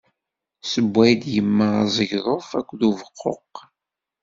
Tsewway-d yemma azegḍuf akked ubeqquq.